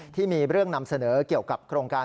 ที่มีเรื่องนำเสนอเกี่ยวกับโครงการ